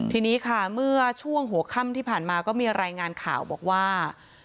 ทีนี้ค่ะเมื่อช่วงหัวค่ำที่ผ่านมาก็มีรายงานข่าวบอกว่า